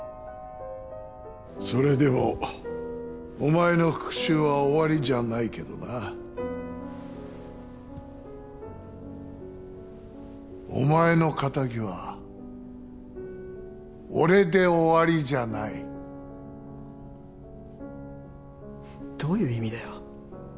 それでもお前の復讐は終わりじゃないけどなお前の仇は俺で終わりじゃないどういう意味だよ？